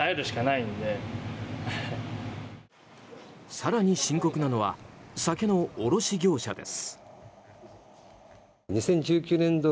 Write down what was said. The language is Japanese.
更に深刻なのは酒の卸業者です。